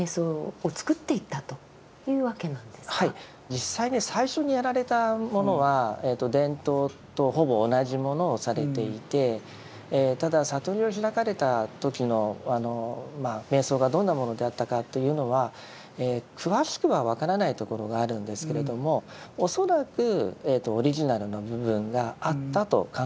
実際ね最初にやられたものは伝統とほぼ同じものをされていてただ悟りを開かれた時の瞑想がどんなものであったかというのは詳しくは分からないところがあるんですけれども恐らくオリジナルの部分があったと考えてよいと思います。